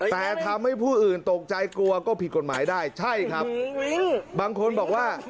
แต่ทำให้ผู้อื่นตกใจกลัวก็ผิดกฎหมายได้ใช่ครับบางคนบอกว่า